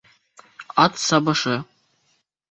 Ат сабышы